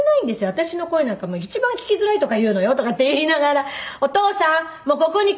「私の声なんか一番聞きづらいとか言うのよ」とかって言いながら「お父さんここに携帯置いたから。